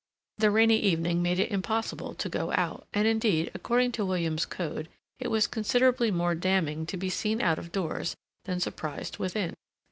The rainy evening made it impossible to go out; and, indeed, according to William's code, it was considerably more damning to be seen out of doors than surprised within.